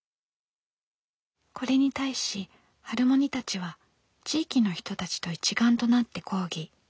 これに対しハルモニたちは地域の人たちと一丸となって抗議。